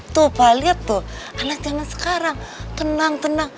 tuh pa lihat tuh anak anak sekarang tenang tenang